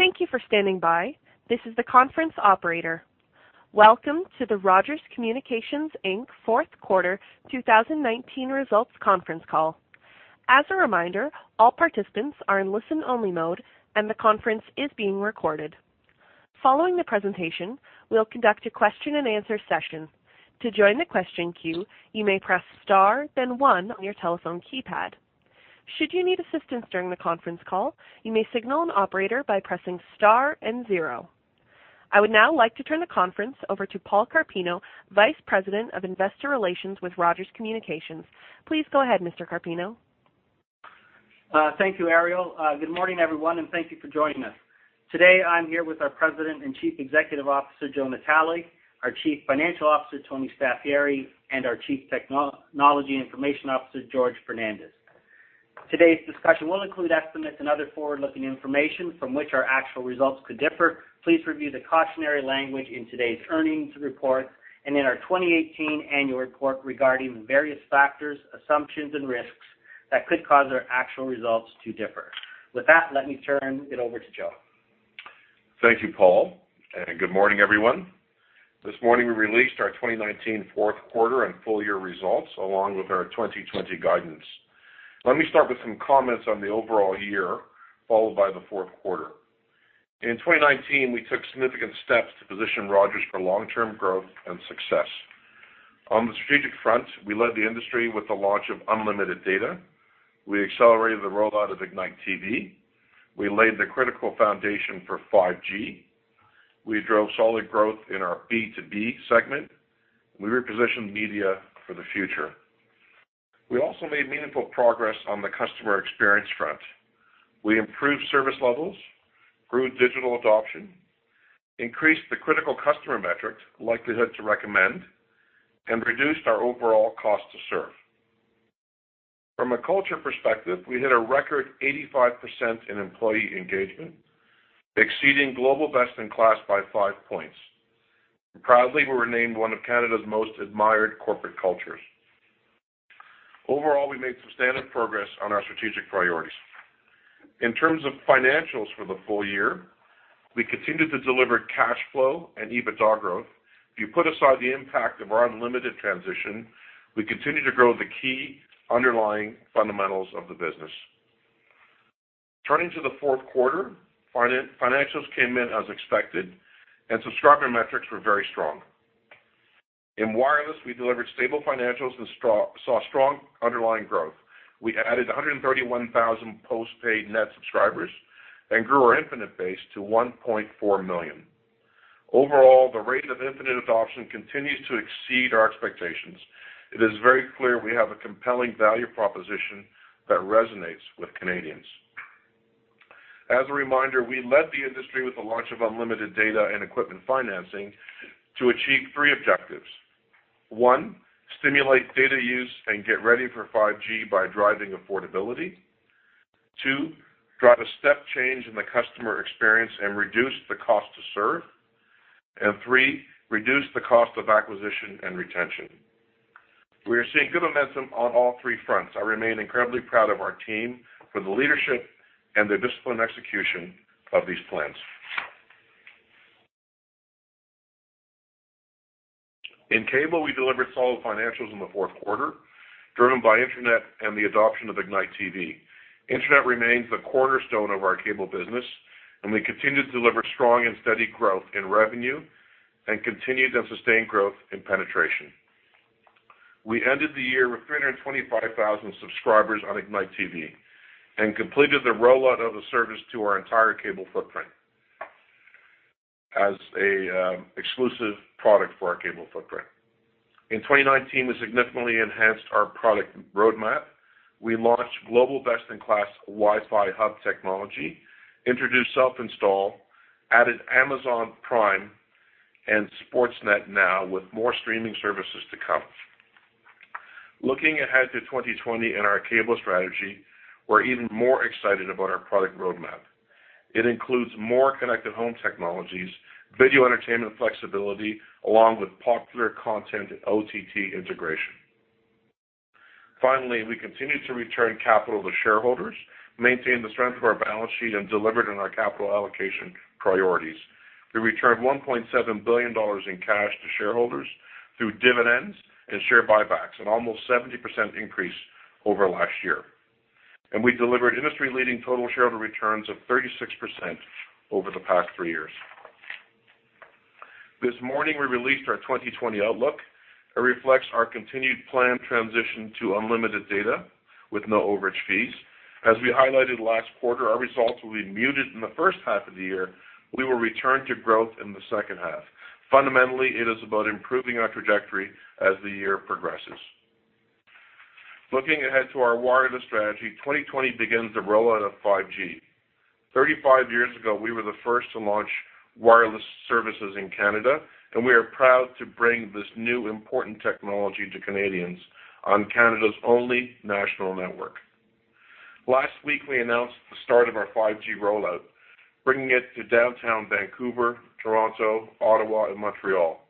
Thank you for standing by. This is the conference operator. Welcome to the Rogers Communications Inc fourth quarter 2019 results conference call. As a reminder, all participants are in listen-only mode, and the conference is being recorded. Following the presentation, we'll conduct a question-and-answer session. To join the question queue, you may press star, then one on your telephone keypad. Should you need assistance during the conference call, you may signal an operator by pressing star and zero. I would now like to turn the conference over to Paul Carpino, Vice President of Investor Relations with Rogers Communications. Please go ahead, Mr. Carpino. Thank you, Ariel. Good morning, everyone, and thank you for joining us. Today, I'm here with our President and Chief Executive Officer, Joe Natale, our Chief Financial Officer, Tony Staffieri, and our Chief Technology and Information Officer, Jorge Fernandes. Today's discussion will include estimates and other forward-looking information from which our actual results could differ. Please review the cautionary language in today's earnings report and in our 2018 annual report regarding the various factors, assumptions, and risks that could cause our actual results to differ. With that, let me turn it over to Joe. Thank you, Paul. And good morning, everyone. This morning, we released our 2019 fourth quarter and full-year results along with our 2020 guidance. Let me start with some comments on the overall year, followed by the fourth quarter. In 2019, we took significant steps to position Rogers for long-term growth and success. On the strategic front, we led the industry with the launch of unlimited data. We accelerated the rollout of Ignite TV. We laid the critical foundation for 5G. We drove solid growth in our B2B segment. We repositioned media for the future. We also made meaningful progress on the customer experience front. We improved service levels, grew digital adoption, increased the critical customer metric, Likelihood to Recommend, and reduced our overall cost to serve. From a culture perspective, we hit a record 85% in employee engagement, exceeding global best in class by five points. Proudly, we were named one of Canada's Most Admired Corporate Cultures. Overall, we made substantive progress on our strategic priorities. In terms of financials for the full year, we continued to deliver cash flow and EBITDA growth. If you put aside the impact of our unlimited transition, we continue to grow the key underlying fundamentals of the business. Turning to the fourth quarter, financials came in as expected, and subscriber metrics were very strong. In wireless, we delivered stable financials and saw strong underlying growth. We added 131,000 postpaid net subscribers and grew our Infinite base to 1.4 million. Overall, the rate of Infinite adoption continues to exceed our expectations. It is very clear we have a compelling value proposition that resonates with Canadians. As a reminder, we led the industry with the launch of unlimited data and equipment financing to achieve three objectives. One, stimulate data use and get ready for 5G by driving affordability. Two, drive a step change in the customer experience and reduce the cost to serve. And three, reduce the cost of acquisition and retention. We are seeing good momentum on all three fronts. I remain incredibly proud of our team for the leadership and the disciplined execution of these plans. In cable, we delivered solid financials in the fourth quarter, driven by internet and the adoption of Ignite TV. Internet remains the cornerstone of our cable business, and we continue to deliver strong and steady growth in revenue and continued and sustained growth in penetration. We ended the year with 325,000 subscribers on Ignite TV and completed the rollout of the service to our entire cable footprint as an exclusive product for our cable footprint. In 2019, we significantly enhanced our product roadmap. We launched global best in class Wi-Fi hub technology, introduced self-install, added Amazon Prime, and Sportsnet NOW with more streaming services to come. Looking ahead to 2020 in our cable strategy, we're even more excited about our product roadmap. It includes more connected home technologies, video entertainment flexibility, along with popular content OTT integration. Finally, we continue to return capital to shareholders, maintain the strength of our balance sheet, and delivered on our capital allocation priorities. We returned 1.7 billion dollars in cash to shareholders through dividends and share buybacks, an almost 70% increase over last year, and we delivered industry-leading total shareholder returns of 36% over the past three years. This morning, we released our 2020 outlook. It reflects our continued planned transition to unlimited data with no overage fees. As we highlighted last quarter, our results will be muted in the first half of the year. We will return to growth in the second half. Fundamentally, it is about improving our trajectory as the year progresses. Looking ahead to our wireless strategy, 2020 begins the rollout of 5G. 35 years ago, we were the first to launch wireless services in Canada, and we are proud to bring this new important technology to Canadians on Canada's only national network. Last week, we announced the start of our 5G rollout, bringing it to downtown Vancouver, Toronto, Ottawa, and Montreal.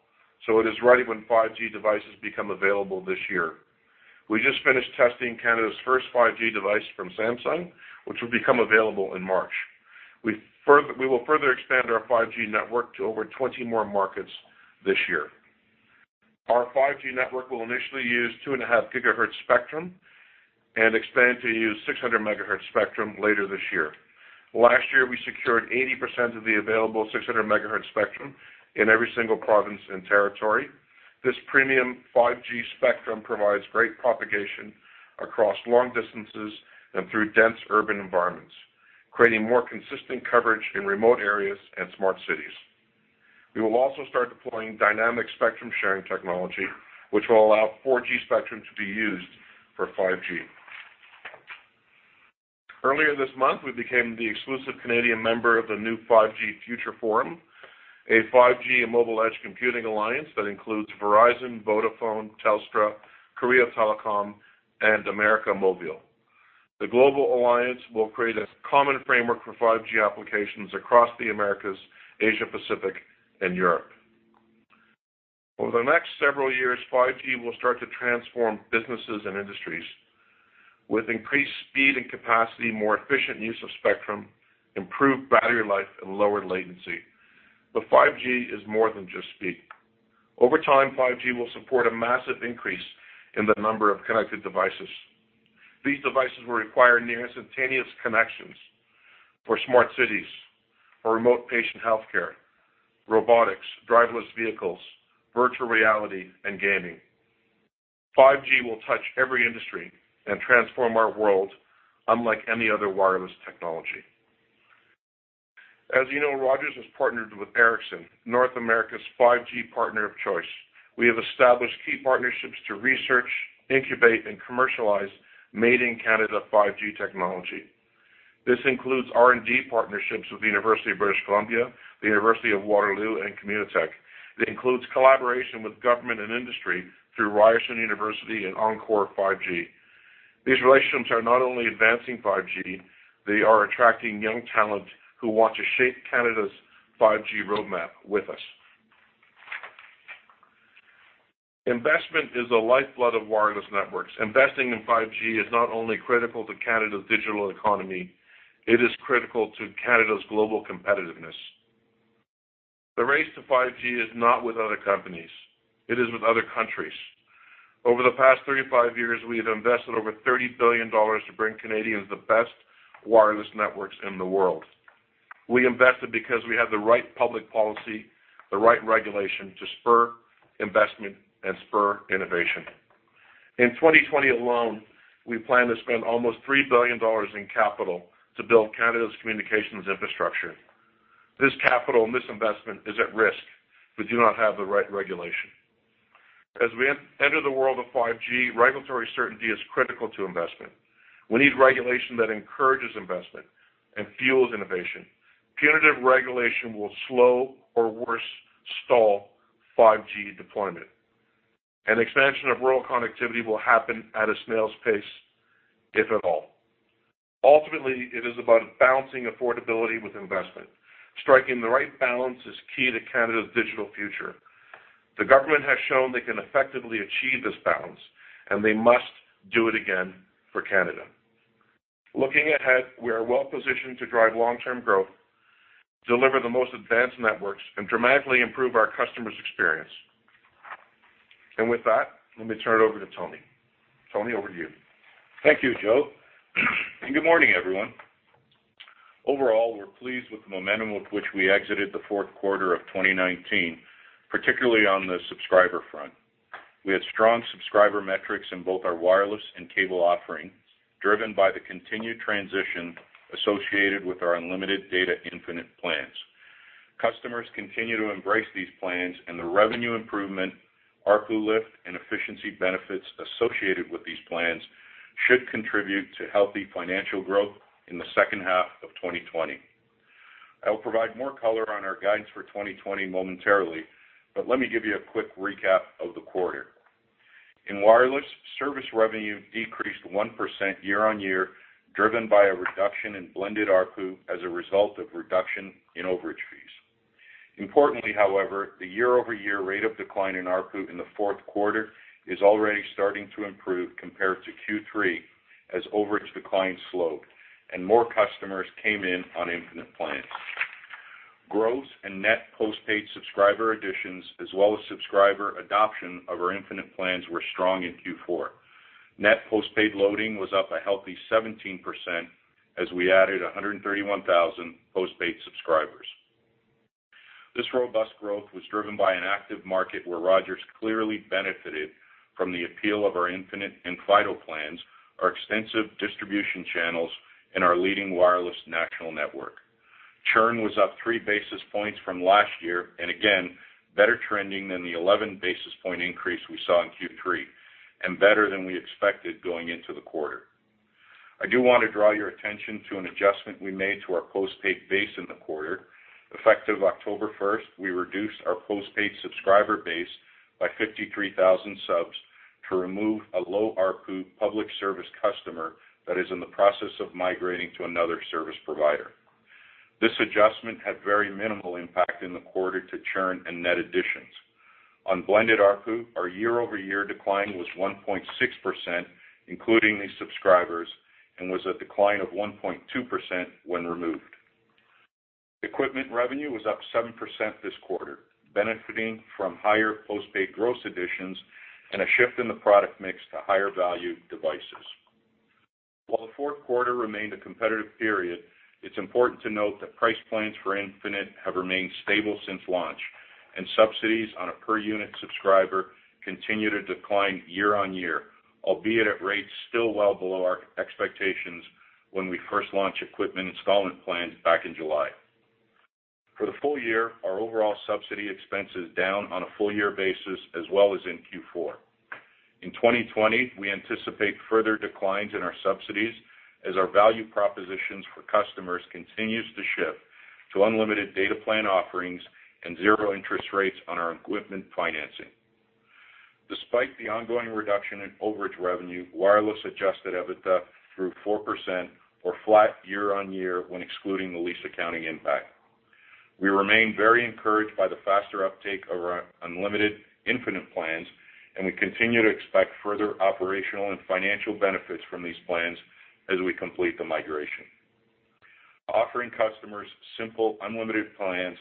So it is ready when 5G devices become available this year. We just finished testing Canada's first 5G device from Samsung, which will become available in March. We will further expand our 5G network to over 20 more markets this year. Our 5G network will initially use 2.5 GHz spectrum and expand to use 600 MHz spectrum later this year. Last year, we secured 80% of the available 600 MHz spectrum in every single province and territory. This premium 5G spectrum provides great propagation across long distances and through dense urban environments, creating more consistent coverage in remote areas and smart cities. We will also start deploying dynamic spectrum sharing technology, which will allow 4G spectrum to be used for 5G. Earlier this month, we became the exclusive Canadian member of the new 5G Future Forum, a 5G and mobile edge computing alliance that includes Verizon, Vodafone, Telstra, Korea Telecom, and América Móvil. The global alliance will create a common framework for 5G applications across the Americas, Asia Pacific, and Europe. Over the next several years, 5G will start to transform businesses and industries with increased speed and capacity, more efficient use of spectrum, improved battery life, and lowered latency. But 5G is more than just speed. Over time, 5G will support a massive increase in the number of connected devices. These devices will require near instantaneous connections for smart cities, for remote patient healthcare, robotics, driverless vehicles, virtual reality, and gaming. 5G will touch every industry and transform our world unlike any other wireless technology. As you know, Rogers has partnered with Ericsson, North America's 5G partner of choice. We have established key partnerships to research, incubate, and commercialize made-in-Canada 5G technology. This includes R&D partnerships with the University of British Columbia, the University of Waterloo, and Communitech. It includes collaboration with government and industry through Ryerson University and ENCQOR 5G. These relationships are not only advancing 5G. They are attracting young talent who want to shape Canada's 5G roadmap with us. Investment is the lifeblood of wireless networks. Investing in 5G is not only critical to Canada's digital economy. It is critical to Canada's global competitiveness. The race to 5G is not with other companies. It is with other countries. Over the past 35 years, we have invested over 30 billion dollars to bring Canadians the best wireless networks in the world. We invested because we had the right public policy, the right regulation to spur investment and spur innovation. In 2020 alone, we plan to spend almost 3 billion dollars in capital to build Canada's communications infrastructure. This capital and this investment is at risk if we do not have the right regulation. As we enter the world of 5G, regulatory certainty is critical to investment. We need regulation that encourages investment and fuels innovation. Punitive regulation will slow or, worse, stall 5G deployment. An expansion of rural connectivity will happen at a snail's pace, if at all. Ultimately, it is about balancing affordability with investment. Striking the right balance is key to Canada's digital future. The government has shown they can effectively achieve this balance, and they must do it again for Canada. Looking ahead, we are well positioned to drive long-term growth, deliver the most advanced networks, and dramatically improve our customer's experience. And with that, let me turn it over to Tony. Tony, over to you. Thank you, Joe. And good morning, everyone. Overall, we're pleased with the momentum with which we exited the fourth quarter of 2019, particularly on the subscriber front. We had strong subscriber metrics in both our wireless and cable offering, driven by the continued transition associated with our unlimited data Infinite plans. Customers continue to embrace these plans, and the revenue improvement, ARPU lift, and efficiency benefits associated with these plans should contribute to healthy financial growth in the second half of 2020. I'll provide more color on our guidance for 2020 momentarily, but let me give you a quick recap of the quarter. In wireless, service revenue decreased 1% year-on-year, driven by a reduction in blended ARPU as a result of reduction in overage fees. Importantly, however, the year-over-year rate of decline in ARPU in the fourth quarter is already starting to improve compared to Q3, as overage decline slowed and more customers came in on Infinite plans. Growth and net postpaid subscriber additions, as well as subscriber adoption of our Infinite plans, were strong in Q4. Net postpaid loading was up a healthy 17% as we added 131,000 postpaid subscribers. This robust growth was driven by an active market where Rogers clearly benefited from the appeal of our Infinite and Fido plans, our extensive distribution channels, and our leading wireless national network. Churn was up three basis points from last year and, again, better trending than the 11 basis point increase we saw in Q3 and better than we expected going into the quarter. I do want to draw your attention to an adjustment we made to our postpaid base in the quarter. Effective October 1st, we reduced our postpaid subscriber base by 53,000 subs to remove a low ARPU public service customer that is in the process of migrating to another service provider. This adjustment had very minimal impact in the quarter to churn and net additions. On blended ARPU, our year-over-year decline was 1.6%, including these subscribers, and was a decline of 1.2% when removed. Equipment revenue was up 7% this quarter, benefiting from higher postpaid gross additions and a shift in the product mix to higher value devices. While the fourth quarter remained a competitive period, it's important to note that price plans for Infinite have remained stable since launch, and subsidies on a per-unit subscriber continue to decline year-on-year, albeit at rates still well below our expectations when we first launched equipment installment plans back in July. For the full year, our overall subsidy expense is down on a full-year basis as well as in Q4. In 2020, we anticipate further declines in our subsidies as our value propositions for customers continue to shift to unlimited data plan offerings and zero-interest rates on our equipment financing. Despite the ongoing reduction in overage revenue, wireless adjusted EBITDA grew 4% or flat year-on-year when excluding the lease accounting impact. We remain very encouraged by the faster uptake of our unlimited Infinite plans, and we continue to expect further operational and financial benefits from these plans as we complete the migration. Offering customers simple unlimited plans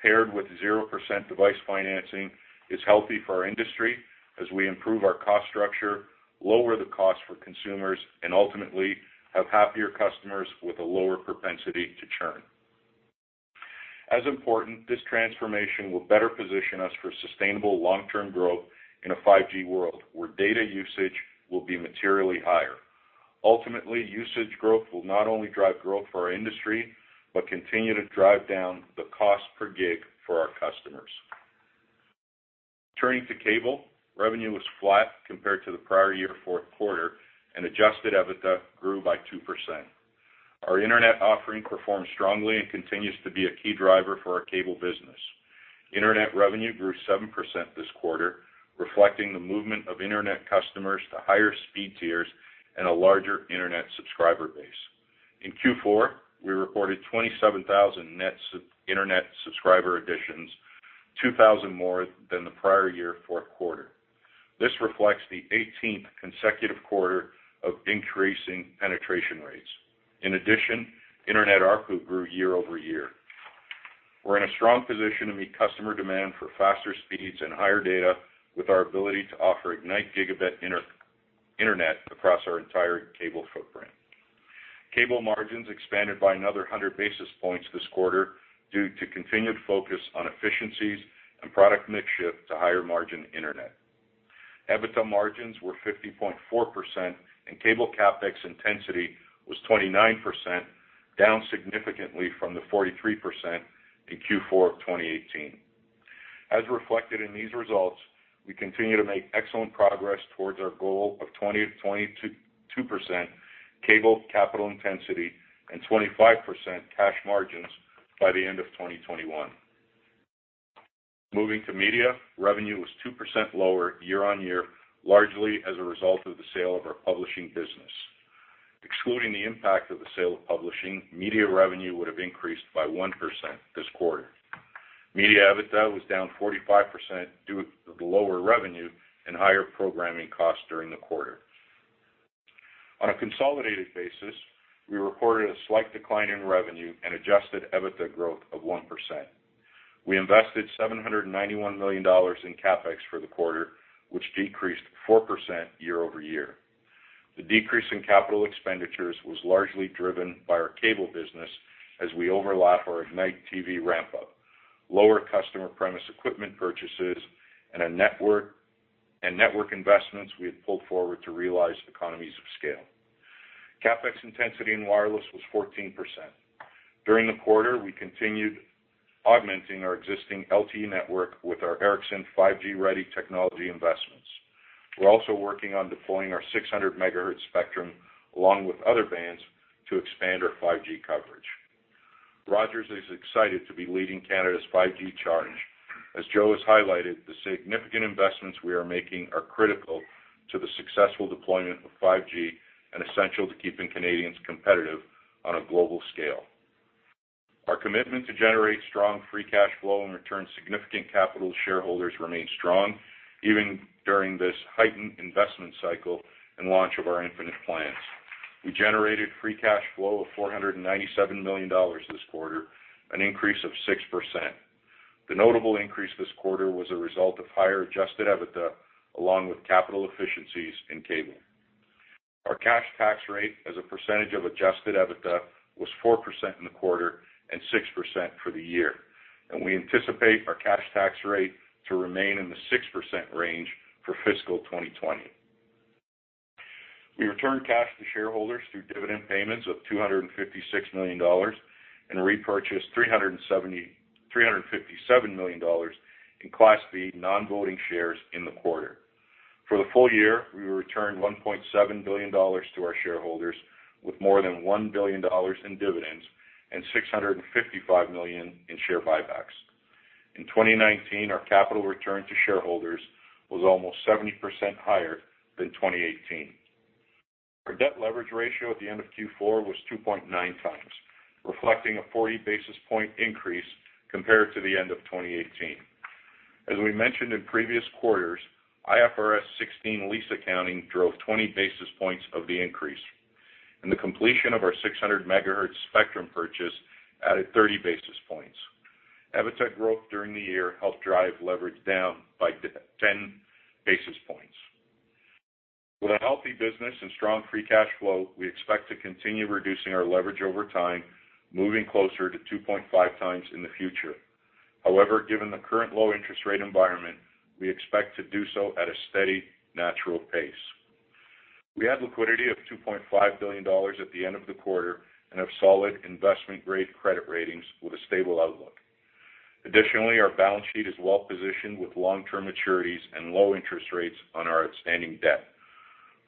paired with 0% device financing is healthy for our industry as we improve our cost structure, lower the cost for consumers, and ultimately have happier customers with a lower propensity to churn. As important, this transformation will better position us for sustainable long-term growth in a 5G world where data usage will be materially higher. Ultimately, usage growth will not only drive growth for our industry but continue to drive down the cost per gig for our customers. Turning to cable, revenue was flat compared to the prior year fourth quarter, and adjusted EBITDA grew by 2%. Our internet offering performed strongly and continues to be a key driver for our cable business. Internet revenue grew 7% this quarter, reflecting the movement of internet customers to higher speed tiers and a larger internet subscriber base. In Q4, we reported 27,000 net internet subscriber additions, 2,000 more than the prior year fourth quarter. This reflects the 18th consecutive quarter of increasing penetration rates. In addition, internet ARPU grew year-over-year. We're in a strong position to meet customer demand for faster speeds and higher data with our ability to offer Ignite Gigabit Internet across our entire cable footprint. Cable margins expanded by another 100 basis points this quarter due to continued focus on efficiencies and product mix shift to higher margin internet. EBITDA margins were 50.4%, and cable CapEx intensity was 29%, down significantly from the 43% in Q4 of 2018. As reflected in these results, we continue to make excellent progress towards our goal of 22% cable capital intensity and 25% cash margins by the end of 2021. Moving to media, revenue was 2% lower year-on-year, largely as a result of the sale of our publishing business. Excluding the impact of the sale of publishing, media revenue would have increased by 1% this quarter. Media EBITDA was down 45% due to the lower revenue and higher programming costs during the quarter. On a consolidated basis, we reported a slight decline in revenue and adjusted EBITDA growth of 1%. We invested 791 million dollars in CapEx for the quarter, which decreased 4% year-over-year. The decrease in capital expenditures was largely driven by our cable business as we overlapped our Ignite TV ramp-up, lower customer premise equipment purchases, and network investments we had pulled forward to realize economies of scale. CapEx intensity in wireless was 14%. During the quarter, we continued augmenting our existing LTE network with our Ericsson 5G Ready technology investments. We're also working on deploying our 600 MHz spectrum along with other bands to expand our 5G coverage. Rogers is excited to be leading Canada's 5G charge. As Joe has highlighted, the significant investments we are making are critical to the successful deployment of 5G and essential to keeping Canadians competitive on a global scale. Our commitment to generate strong free cash flow and return significant capital to shareholders remains strong, even during this heightened investment cycle and launch of our Infinite plans. We generated free cash flow of 497 million dollars this quarter, an increase of 6%. The notable increase this quarter was a result of higher adjusted EBITDA along with capital efficiencies in cable. Our cash tax rate as a percentage of adjusted EBITDA was 4% in the quarter and 6% for the year, and we anticipate our cash tax rate to remain in the 6% range for fiscal 2020. We returned cash to shareholders through dividend payments of 256 million dollars and repurchased 357 million dollars in Class B non-voting shares in the quarter. For the full year, we returned 1.7 billion dollars to our shareholders with more than 1 billion dollars in dividends and 655 million in share buybacks. In 2019, our capital return to shareholders was almost 70% higher than 2018. Our debt leverage ratio at the end of Q4 was 2.9x, reflecting a 40 basis point increase compared to the end of 2018. As we mentioned in previous quarters, IFRS 16 lease accounting drove 20 basis points of the increase, and the completion of our 600 MHz spectrum purchase added 30 basis points. EBITDA growth during the year helped drive leverage down by 10 basis points. With a healthy business and strong free cash flow, we expect to continue reducing our leverage over time, moving closer to 2.5x in the future. However, given the current low interest rate environment, we expect to do so at a steady natural pace. We had liquidity of 2.5 billion dollars at the end of the quarter and have solid investment-grade credit ratings with a stable outlook. Additionally, our balance sheet is well positioned with long-term maturities and low interest rates on our outstanding debt.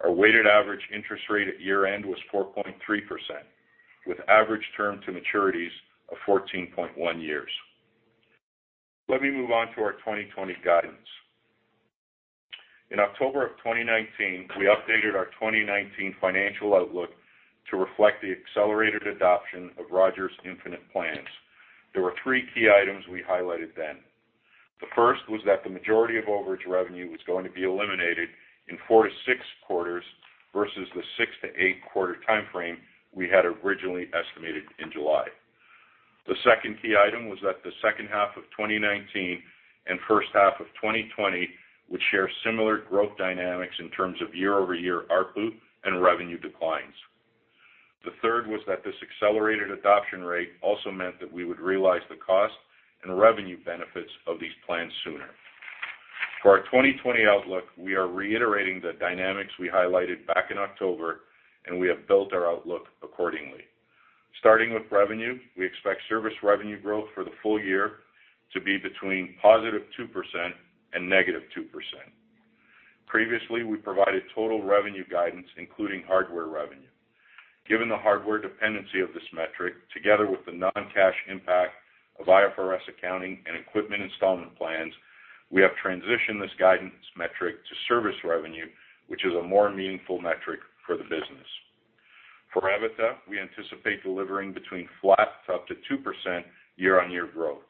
Our weighted average interest rate at year-end was 4.3%, with average term to maturities of 14.1 years. Let me move on to our 2020 guidance. In October of 2019, we updated our 2019 financial outlook to reflect the accelerated adoption of Rogers Infinite plans. There were three key items we highlighted then. The first was that the majority of overage revenue was going to be eliminated in fourth to sixth quarters versus the sixth to eighth quarter timeframe we had originally estimated in July. The second key item was that the second half of 2019 and first half of 2020 would share similar growth dynamics in terms of year-over-year ARPU and revenue declines. The third was that this accelerated adoption rate also meant that we would realize the cost and revenue benefits of these plans sooner. For our 2020 outlook, we are reiterating the dynamics we highlighted back in October, and we have built our outlook accordingly. Starting with revenue, we expect service revenue growth for the full year to be between +2% and -2%. Previously, we provided total revenue guidance, including hardware revenue. Given the hardware dependency of this metric, together with the non-cash impact of IFRS accounting and equipment installment plans, we have transitioned this guidance metric to service revenue, which is a more meaningful metric for the business. For EBITDA, we anticipate delivering between flat to up to 2% year-on-year growth.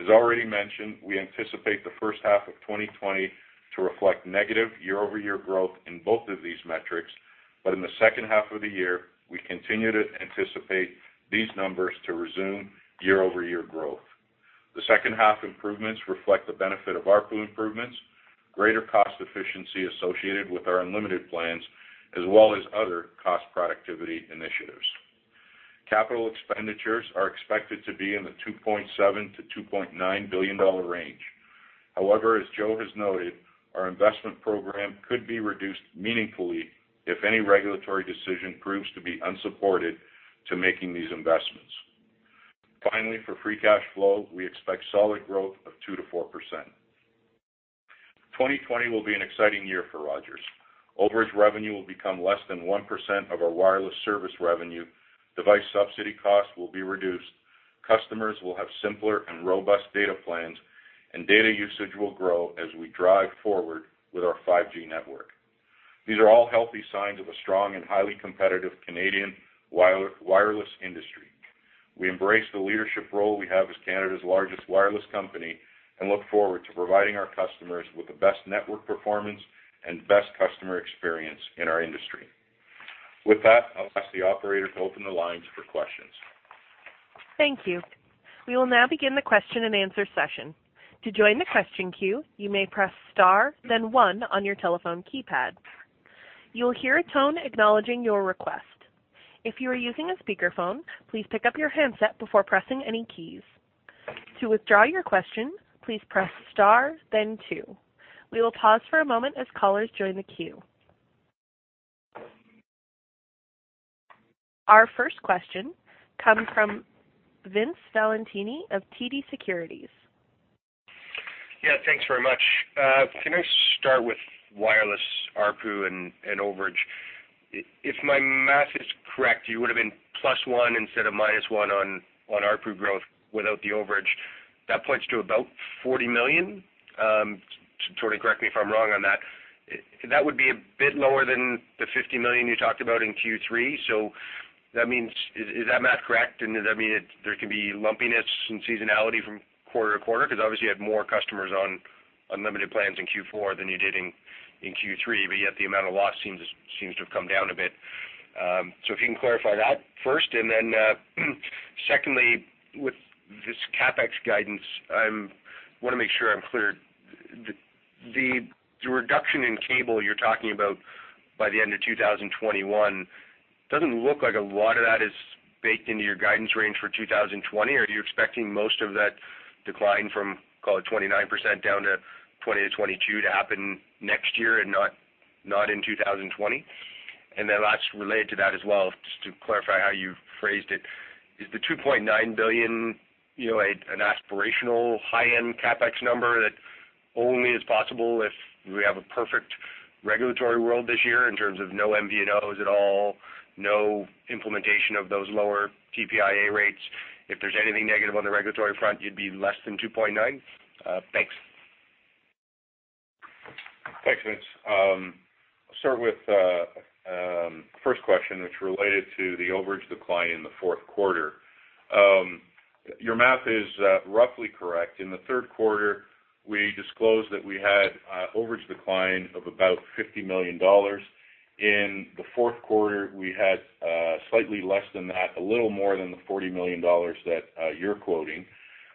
As already mentioned, we anticipate the first half of 2020 to reflect negative year-over-year growth in both of these metrics, but in the second half of the year, we continue to anticipate these numbers to resume year-over-year growth. The second half improvements reflect the benefit of ARPU improvements, greater cost efficiency associated with our unlimited plans, as well as other cost productivity initiatives. Capital expenditures are expected to be in the 2.7 billion-2.9 billion dollar range. However, as Joe has noted, our investment program could be reduced meaningfully if any regulatory decision proves to be unsupported to making these investments. Finally, for free cash flow, we expect solid growth of 2%-4%. 2020 will be an exciting year for Rogers. Overage revenue will become less than 1% of our wireless service revenue, device subsidy costs will be reduced, customers will have simpler and robust data plans, and data usage will grow as we drive forward with our 5G network. These are all healthy signs of a strong and highly competitive Canadian wireless industry. We embrace the leadership role we have as Canada's largest wireless company and look forward to providing our customers with the best network performance and best customer experience in our industry. With that, I'll ask the operator to open the lines for questions. Thank you. We will now begin the question and answer session. To join the question queue, you may press star, then one on your telephone keypad. You will hear a tone acknowledging your request. If you are using a speakerphone, please pick up your handset before pressing any keys. To withdraw your question, please press star, then two. We will pause for a moment as callers join the queue. Our first question comes from Vince Valentini of TD Securities. Yeah, thanks very much. Can I start with wireless ARPU and overage? If my math is correct, you would have been plus one instead of minus one on ARPU growth without the overage. That points to about 40 million. Try to correct me if I'm wrong on that. That would be a bit lower than the 50 million you talked about in Q3, so that means is that math correct? And does that mean there can be lumpiness and seasonality from quarter to quarter? Because obviously, you had more customers on unlimited plans in Q4 than you did in Q3, but yet the amount of loss seems to have come down a bit. So if you can clarify that first. And then secondly, with this CapEx guidance, I want to make sure I'm clear. The reduction in cable you're talking about by the end of 2021 doesn't look like a lot of that is baked into your guidance range for 2020. Are you expecting most of that decline from call it 29% down to 20%-22% to happen next year and not in 2020? And then last related to that as well, just to clarify how you phrased it, is the 2.9 billion an aspirational high-end CapEx number that only is possible if we have a perfect regulatory world this year in terms of no MVNOs at all, no implementation of those lower TPIA rates? If there's anything negative on the regulatory front, you'd be less than 2.9 billion? Thanks. Thanks, Vince. I'll start with the first question, which related to the overage decline in the fourth quarter. Your math is roughly correct. In the third quarter, we disclosed that we had overage decline of about 50 million dollars. In the fourth quarter, we had slightly less than that, a little more than the 40 million dollars that you're quoting,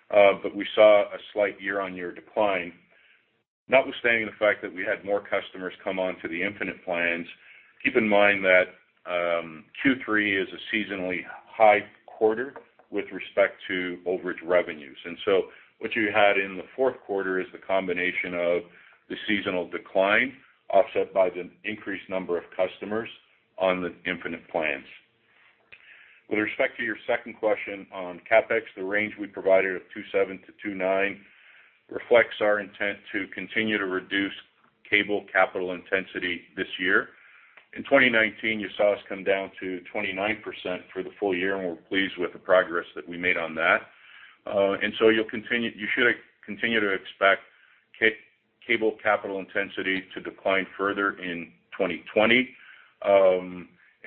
but we saw a slight year-on-year decline, notwithstanding the fact that we had more customers come on to the Infinite plans. Keep in mind that Q3 is a seasonally high quarter with respect to overage revenues. And so what you had in the fourth quarter is the combination of the seasonal decline offset by the increased number of customers on the Infinite plans. With respect to your second question on CapEx, the range we provided of 2.7-2.9 reflects our intent to continue to reduce cable capital intensity this year. In 2019, you saw us come down to 29% for the full year, and we're pleased with the progress that we made on that. And so you should continue to expect cable capital intensity to decline further in 2020.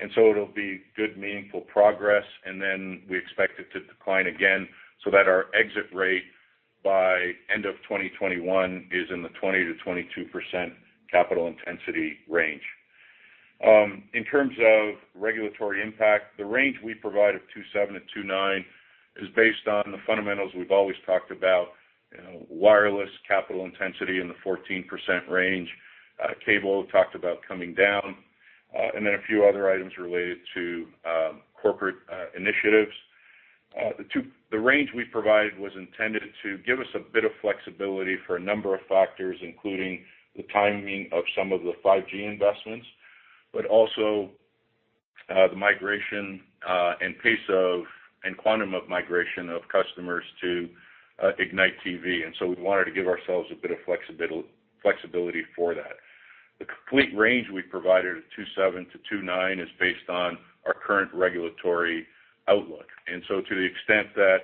And so it'll be good, meaningful progress, and then we expect it to decline again so that our exit rate by end of 2021 is in the 20%-22% capital intensity range. In terms of regulatory impact, the range we provide of 2.7-2.9 is based on the fundamentals we've always talked about: wireless capital intensity in the 14% range, cable talked about coming down, and then a few other items related to corporate initiatives. The range we provided was intended to give us a bit of flexibility for a number of factors, including the timing of some of the 5G investments, but also the migration and pace of and quantum of migration of customers to Ignite TV. And so we wanted to give ourselves a bit of flexibility for that. The complete range we provided of 2.7-2.9 is based on our current regulatory outlook. And so to the extent that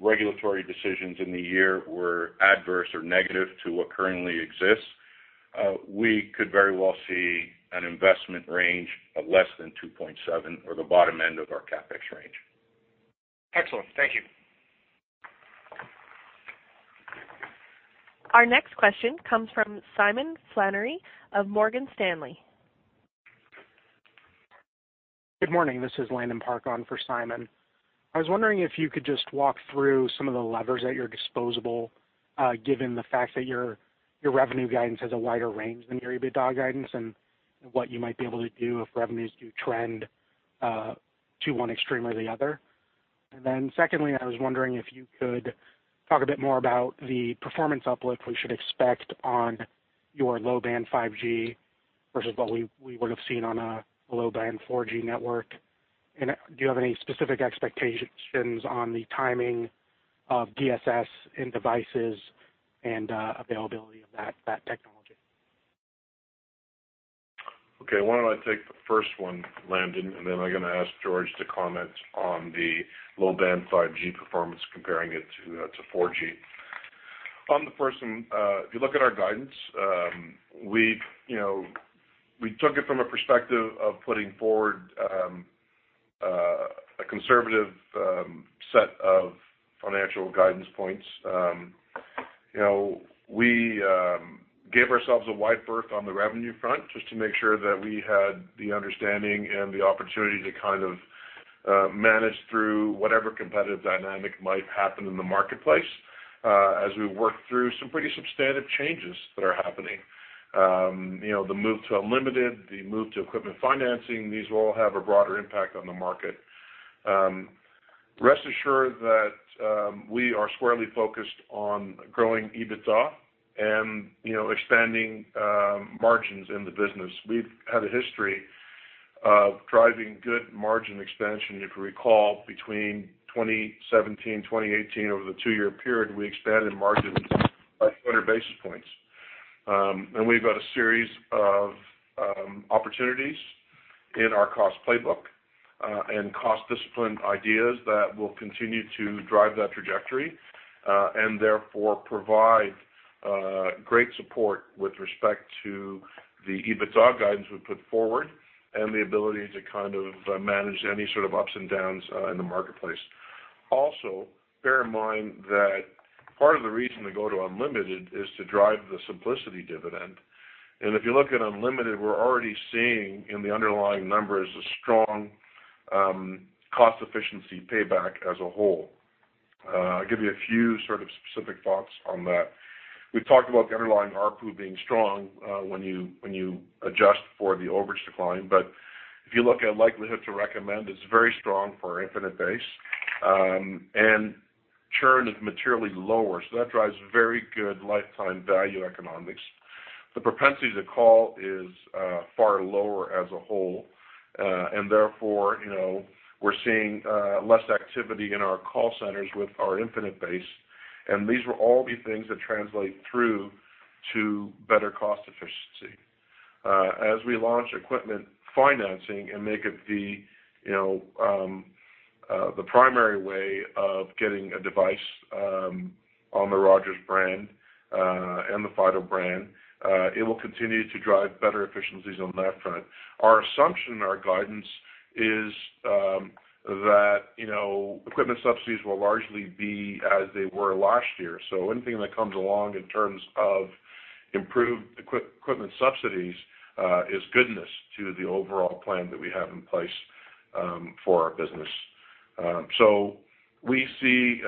regulatory decisions in the year were adverse or negative to what currently exists, we could very well see an investment range of less than 2.7 or the bottom end of our CapEx range. Excellent. Thank you. Our next question comes from Simon Flannery of Morgan Stanley. Good morning. This is Landon Park for Simon. I was wondering if you could just walk through some of the levers at your disposal, given the fact that your revenue guidance has a wider range than your EBITDA guidance and what you might be able to do if revenues do trend to one extreme or the other. And then secondly, I was wondering if you could talk a bit more about the performance uplift we should expect on your low-band 5G versus what we would have seen on a low-band 4G network. And do you have any specific expectations on the timing of DSS in devices and availability of that technology? Okay. Why don't I take the first one, Landon, and then I'm going to ask Jorge to comment on the low-band 5G performance, comparing it to 4G. On the first one, if you look at our guidance, we took it from a perspective of putting forward a conservative set of financial guidance points. We gave ourselves a wide berth on the revenue front just to make sure that we had the understanding and the opportunity to kind of manage through whatever competitive dynamic might happen in the marketplace as we work through some pretty substantive changes that are happening. The move to unlimited, the move to equipment financing, these will all have a broader impact on the market. Rest assured that we are squarely focused on growing EBITDA and expanding margins in the business. We've had a history of driving good margin expansion. If you recall, between 2017 and 2018, over the two-year period, we expanded margins by 200 basis points. We've got a series of opportunities in our cost playbook and cost discipline ideas that will continue to drive that trajectory and therefore provide great support with respect to the EBITDA guidance we put forward and the ability to kind of manage any sort of ups and downs in the marketplace. Also, bear in mind that part of the reason to go to unlimited is to drive the simplicity dividend. If you look at unlimited, we're already seeing in the underlying numbers a strong cost efficiency payback as a whole. I'll give you a few sort of specific thoughts on that. We talked about the underlying ARPU being strong when you adjust for the overage decline, but if you look at Likelihood to Recommend, it's very strong for our Infinite base. Churn is materially lower, so that drives very good lifetime value economics. The propensity to call is far lower as a whole, and therefore we're seeing less activity in our call centers with our Infinite base, and these were all the things that translate through to better cost efficiency. As we launch equipment financing and make it the primary way of getting a device on the Rogers brand and the Fido brand, it will continue to drive better efficiencies on that front. Our assumption in our guidance is that equipment subsidies will largely be as they were last year, so anything that comes along in terms of improved equipment subsidies is goodness to the overall plan that we have in place for our business. So we see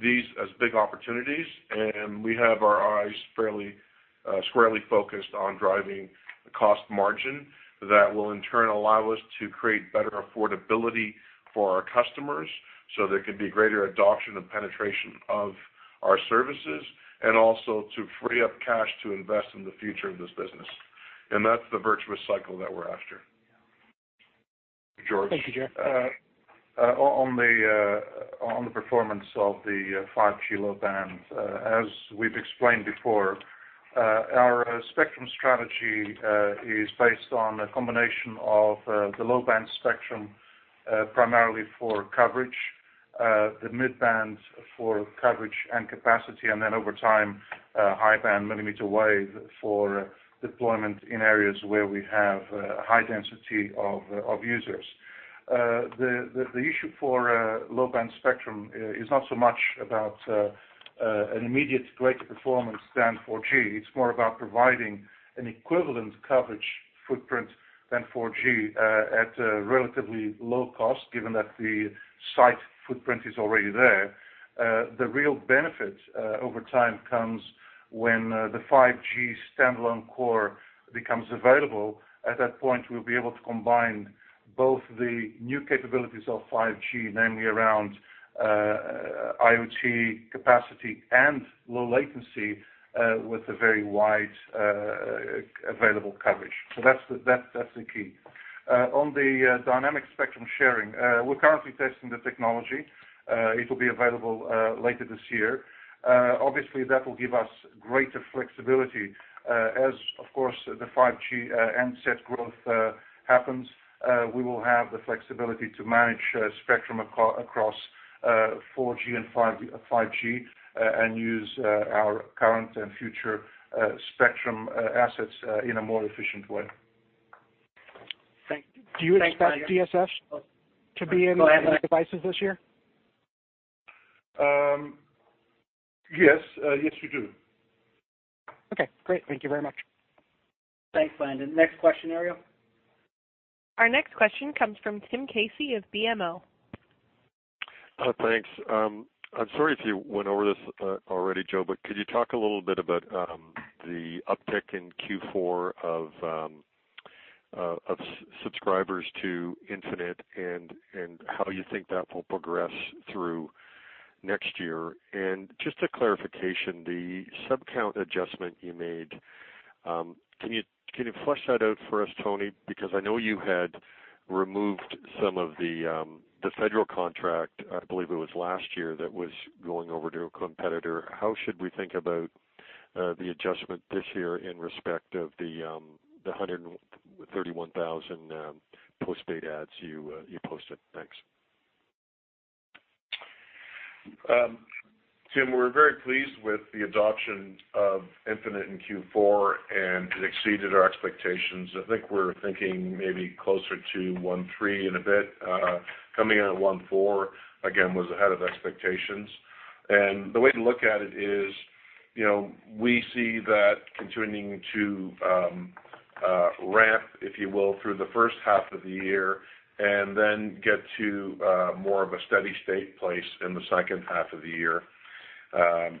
these as big opportunities, and we have our eyes fairly squarely focused on driving the cost margin that will in turn allow us to create better affordability for our customers so there can be greater adoption and penetration of our services and also to free up cash to invest in the future of this business. And that's the virtuous cycle that we're after. Jorge. Thank you, Joe. On the performance of the 5G low-band, as we've explained before, our spectrum strategy is based on a combination of the low-band spectrum primarily for coverage, the mid-band for coverage and capacity, and then over time, high-band millimeter wave for deployment in areas where we have high density of users. The issue for low-band spectrum is not so much about an immediate greater performance than 4G. It's more about providing an equivalent coverage footprint than 4G at a relatively low cost, given that the site footprint is already there. The real benefit over time comes when the 5G standalone core becomes available. At that point, we'll be able to combine both the new capabilities of 5G, namely around IoT capacity and low latency with a very wide available coverage. So that's the key. On the dynamic spectrum sharing, we're currently testing the technology. It'll be available later this year. Obviously, that will give us greater flexibility. As, of course, the 5G handset growth happens, we will have the flexibility to manage spectrum across 4G and 5G and use our current and future spectrum assets in a more efficient way. Thank you. Do you expect DSS to be in the devices this year? Yes. Yes, we do. Okay. Great. Thank you very much. Thanks, Landon. Next question, Ariel. Our next question comes from Tim Casey of BMO. Thanks. I'm sorry if you went over this already, Joe, but could you talk a little bit about the uptick in Q4 of subscribers to Infinite and how you think that will progress through next year? And just a clarification, the subscriber count adjustment you made, can you flesh that out for us, Tony? Because I know you had removed some of the federal contract, I believe it was last year, that was going over to a competitor. How should we think about the adjustment this year in respect of the 131,000 postpaid adds you posted? Thanks. Tim, we're very pleased with the adoption of Infinite in Q4, and it exceeded our expectations. I think we're thinking maybe closer to 1.3 in a bit. Coming out at 1.4, again, was ahead of expectations. The way to look at it is we see that continuing to ramp, if you will, through the first half of the year and then get to more of a steady-state place in the second half of the year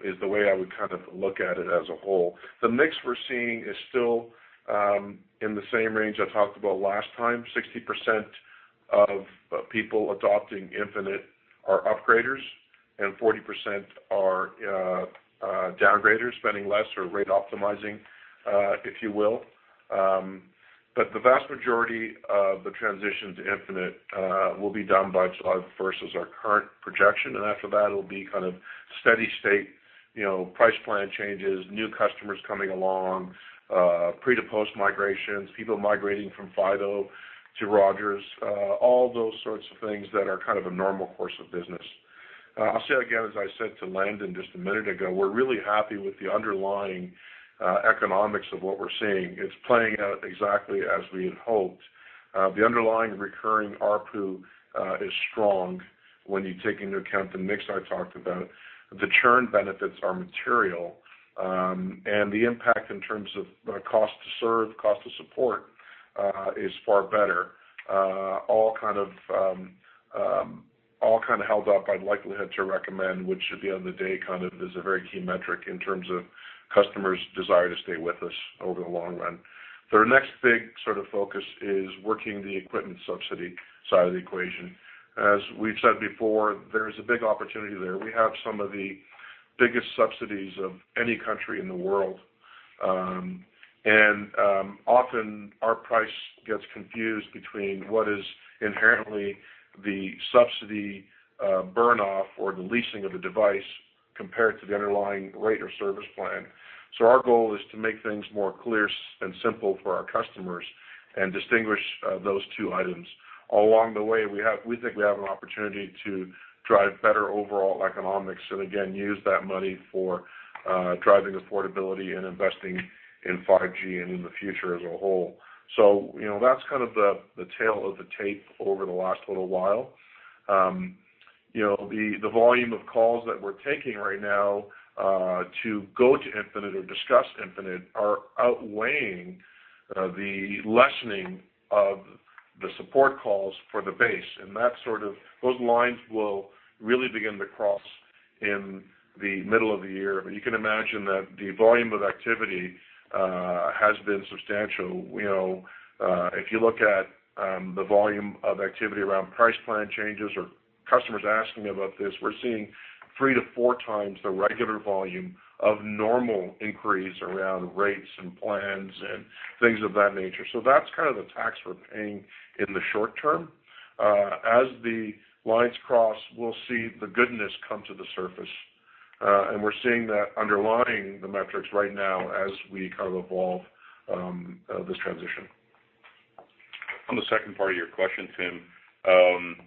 is the way I would kind of look at it as a whole. The mix we're seeing is still in the same range I talked about last time. 60% of people adopting Infinite are upgraders and 40% are downgraders, spending less or rate optimizing, if you will. But the vast majority of the transition to Infinite will be done by July 1st is our current projection. After that, it'll be kind of steady-state price plan changes, new customers coming along, pre to post migrations, people migrating from Fido to Rogers, all those sorts of things that are kind of a normal course of business. I'll say again, as I said to Landon just a minute ago, we're really happy with the underlying economics of what we're seeing. It's playing out exactly as we had hoped. The underlying recurring ARPU is strong when you take into account the mix I talked about. The churn benefits are material, and the impact in terms of cost to serve, cost to support is far better, all kind of held up by Likelihood to Recommend, which at the end of the day kind of is a very key metric in terms of customers' desire to stay with us over the long run. The next big sort of focus is working the equipment subsidy side of the equation. As we've said before, there is a big opportunity there. We have some of the biggest subsidies of any country in the world. And often, our price gets confused between what is inherently the subsidy burn-off or the leasing of the device compared to the underlying rate or service plan. So our goal is to make things more clear and simple for our customers and distinguish those two items. Along the way, we think we have an opportunity to drive better overall economics and, again, use that money for driving affordability and investing in 5G and in the future as a whole. So that's kind of the tale of the tape over the last little while. The volume of calls that we're taking right now to go to Infinite or discuss Infinite are outweighing the lessening of the support calls for the base. And those lines will really begin to cross in the middle of the year. But you can imagine that the volume of activity has been substantial. If you look at the volume of activity around price plan changes or customers asking about this, we're seeing three-to-four times the regular volume of normal increase around rates and plans and things of that nature, so that's kind of the tax we're paying in the short term. As the lines cross, we'll see the goodness come to the surface, and we're seeing that underlying the metrics right now as we kind of evolve this transition. On the second part of your question, Tim,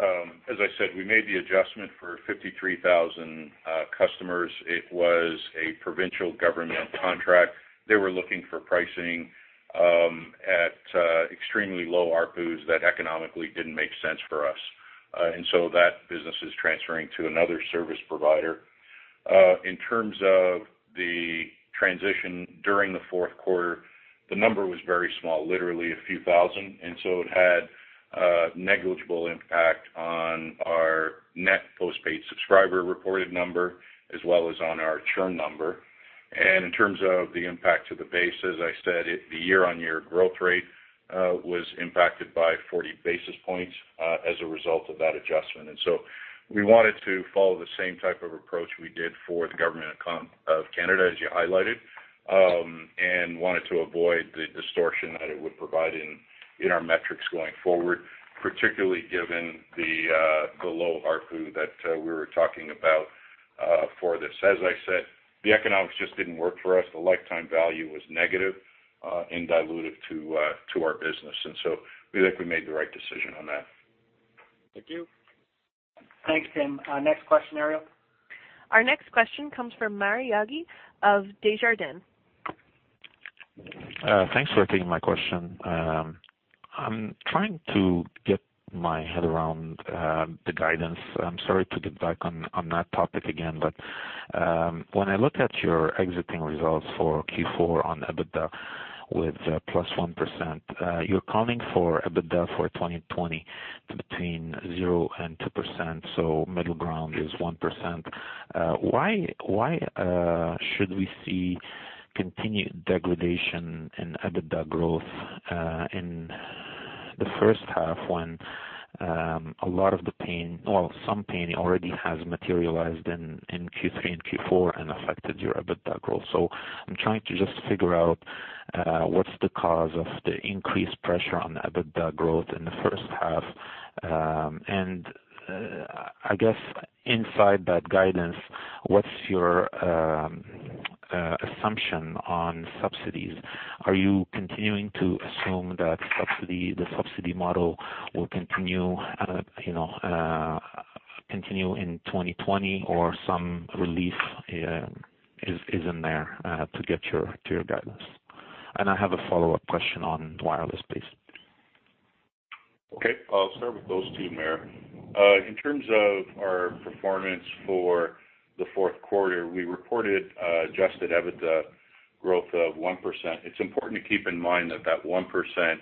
as I said, we made the adjustment for 53,000 customers. It was a provincial government contract. They were looking for pricing at extremely low ARPUs that economically didn't make sense for us, and so that business is transferring to another service provider. In terms of the transition during the fourth quarter, the number was very small, literally a few thousand. It had negligible impact on our net postpaid subscriber reported number as well as on our churn number. In terms of the impact to the base, as I said, the year-on-year growth rate was impacted by 40 basis points as a result of that adjustment. We wanted to follow the same type of approach we did for the Government of Canada, as you highlighted, and wanted to avoid the distortion that it would provide in our metrics going forward, particularly given the low ARPU that we were talking about for this. As I said, the economics just didn't work for us. The lifetime value was negative and dilutive to our business. We think we made the right decision on that. Thank you. Thanks, Tim. Next question, Ariel. Our next question comes from Maher Yaghi of Desjardins. Thanks for taking my question. I'm trying to get my head around the guidance. I'm sorry to get back on that topic again, but when I look at your existing results for Q4 on EBITDA with +1%, you're calling for EBITDA for 2020 to between 0% and 2%, so middle ground is 1%. Why should we see continued degradation in EBITDA growth in the first half when a lot of the pain, well, some pain already has materialized in Q3 and Q4 and affected your EBITDA growth? I'm trying to just figure out what's the cause of the increased pressure on EBITDA growth in the first half. I guess inside that guidance, what's your assumption on subsidies? Are you continuing to assume that the subsidy model will continue in 2020 or some relief is in there to get to your guidance? I have a follow-up question on wireless, please. Okay. I'll start with those two, Maher. In terms of our performance for the fourth quarter, we reported adjusted EBITDA growth of 1%. It's important to keep in mind that that 1%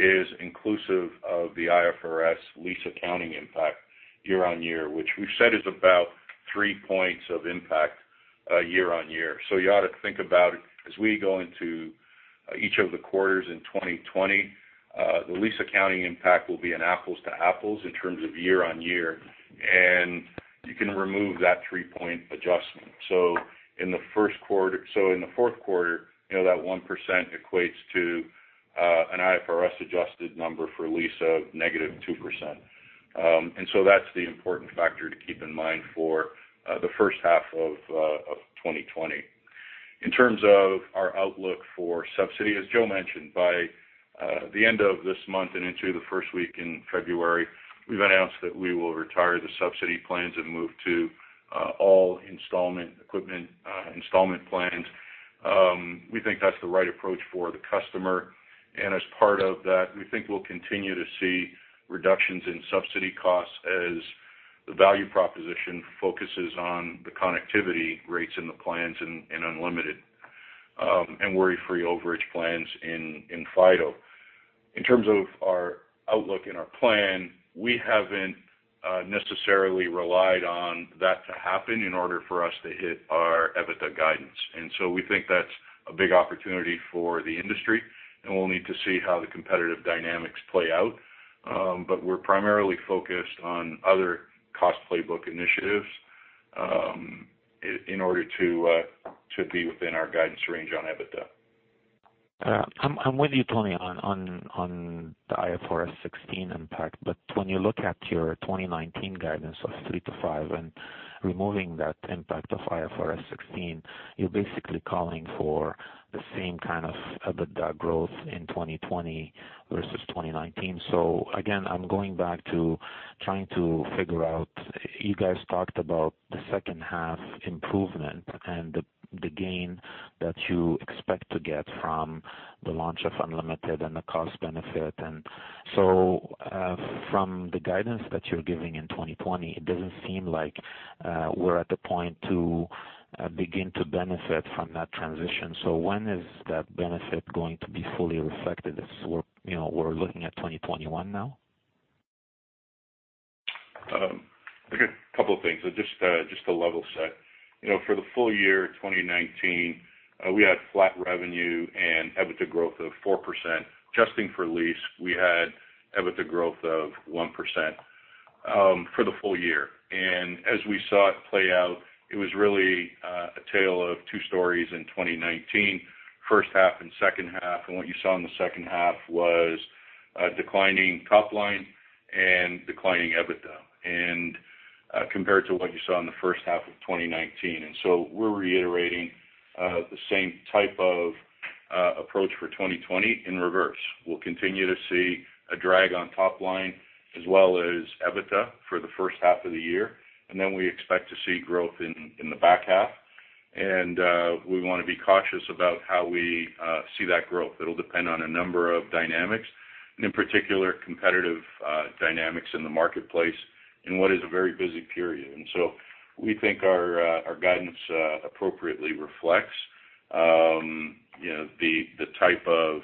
is inclusive of the IFRS lease accounting impact year-on-year, which we've said is about three points of impact year-on-year, so you ought to think about as we go into each of the quarters in 2020, the lease accounting impact will be an apples-to-apples in terms of year-on-year, and you can remove that three-point adjustment, so in the first quarter, so in the fourth quarter, that 1% equates to an IFRS-adjusted number for lease of -2%, and so that's the important factor to keep in mind for the first half of 2020. In terms of our outlook for subsidy, as Joe mentioned, by the end of this month and into the first week in February, we've announced that we will retire the subsidy plans and move to all installment equipment installment plans. We think that's the right approach for the customer. And as part of that, we think we'll continue to see reductions in subsidy costs as the value proposition focuses on the connectivity rates in the plans and unlimited and worry-free overage plans in Fido. In terms of our outlook and our plan, we haven't necessarily relied on that to happen in order for us to hit our EBITDA guidance. And so we think that's a big opportunity for the industry, and we'll need to see how the competitive dynamics play out. But we're primarily focused on other cost playbook initiatives in order to be within our guidance range on EBITDA. I'm with you, Tony, on the IFRS 16 impact. But when you look at your 2019 guidance of 3%-5% and removing that impact of IFRS 16, you're basically calling for the same kind of EBITDA growth in 2020 versus 2019. So again, I'm going back to trying to figure out you guys talked about the second-half improvement and the gain that you expect to get from the launch of unlimited and the cost benefit. And so from the guidance that you're giving in 2020, it doesn't seem like we're at the point to begin to benefit from that transition. So when is that benefit going to be fully reflected? We're looking at 2021 now. A couple of things. Just to level set, for the full year 2019, we had flat revenue and EBITDA growth of 4%. Adjusting for lease, we had EBITDA growth of 1% for the full year, and as we saw it play out, it was really a tale of two stories in 2019, first half and second half, and what you saw in the second half was declining top line and declining EBITDA compared to what you saw in the first half of 2019, and so we're reiterating the same type of approach for 2020 in reverse. We'll continue to see a drag on top line as well as EBITDA for the first half of the year, and then we expect to see growth in the back half, and we want to be cautious about how we see that growth. It'll depend on a number of dynamics, and in particular, competitive dynamics in the marketplace in what is a very busy period. And so we think our guidance appropriately reflects the type of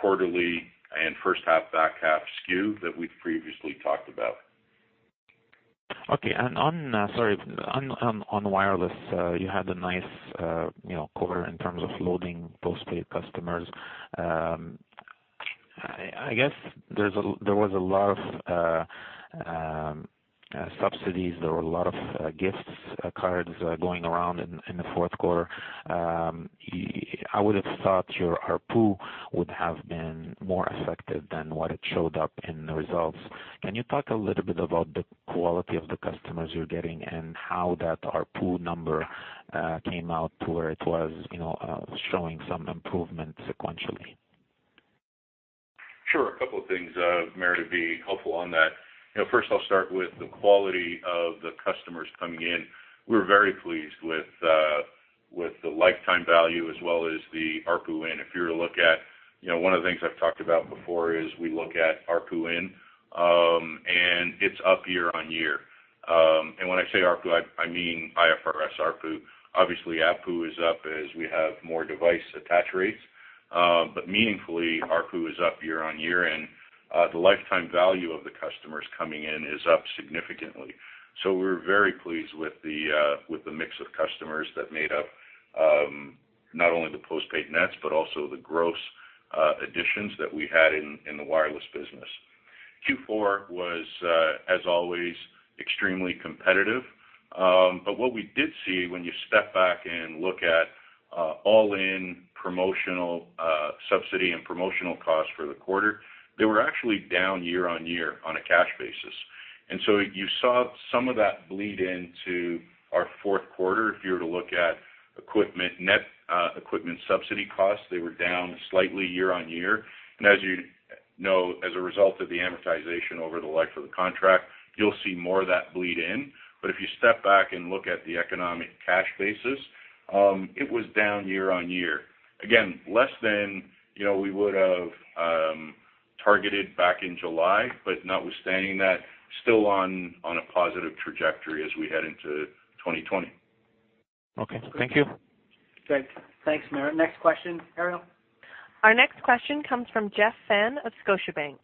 quarterly and first half, back half skew that we've previously talked about. Okay. And sorry, on wireless, you had a nice quarter in terms of loading postpaid customers. I guess there was a lot of subsidies. There were a lot of gift cards going around in the fourth quarter. I would have thought your ARPU would have been more affected than what it showed up in the results. Can you talk a little bit about the quality of the customers you're getting and how that ARPU number came out to where it was showing some improvement sequentially? Sure. A couple of things, Maher, to be helpful on that. First, I'll start with the quality of the customers coming in. We're very pleased with the lifetime value as well as the ARPU in. If you were to look at one of the things I've talked about before is we look at ARPU in, and it's up year-on-year. And when I say ARPU, I mean IFRS ARPU. Obviously, ARPU is up as we have more device attach rates. But meaningfully, ARPU is up year-on-year, and the lifetime value of the customers coming in is up significantly. So we're very pleased with the mix of customers that made up not only the postpaid nets but also the gross additions that we had in the wireless business. Q4 was, as always, extremely competitive. But what we did see when you step back and look at all-in promotional subsidy and promotional costs for the quarter, they were actually down year-on-year on a cash basis. And so you saw some of that bleed into our fourth quarter. If you were to look at net equipment subsidy costs, they were down slightly year-on-year, and as you know, as a result of the amortization over the life of the contract, you'll see more of that bleed in, but if you step back and look at the economic cash basis, it was down year-on-year. Again, less than we would have targeted back in July, but notwithstanding that, still on a positive trajectory as we head into 2020. Okay. Thank you. Thanks, Maher. Next question, Ariel. Our next question comes from Jeff Fan of Scotiabank.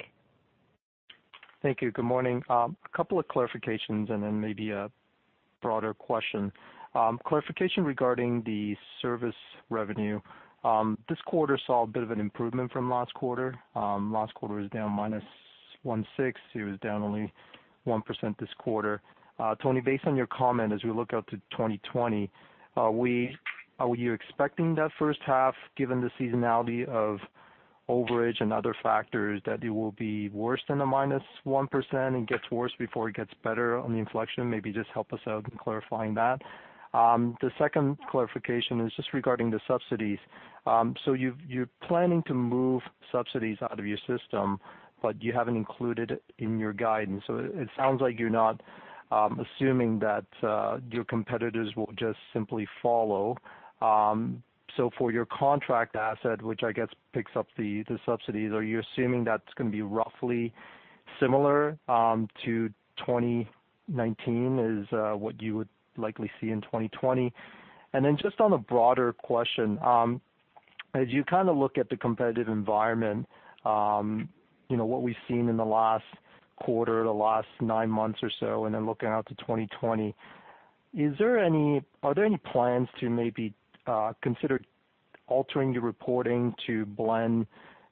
Thank you. Good morning. A couple of clarifications and then maybe a broader question. Clarification regarding the service revenue. This quarter saw a bit of an improvement from last quarter. Last quarter was down -1.6%. It was down only 1% this quarter. Tony, based on your comment, as we look out to 2020, are you expecting that first half, given the seasonality of overage and other factors, that it will be worse than a -1% and gets worse before it gets better on the inflection? Maybe just help us out in clarifying that. The second clarification is just regarding the subsidies. So you're planning to move subsidies out of your system, but you haven't included it in your guidance. So it sounds like you're not assuming that your competitors will just simply follow. So for your contract asset, which I guess picks up the subsidies, are you assuming that's going to be roughly similar to 2019 as what you would likely see in 2020? And then just on a broader question, as you kind of look at the competitive environment, what we've seen in the last quarter, the last nine months or so, and then looking out to 2020, are there any plans to maybe consider altering your reporting to blend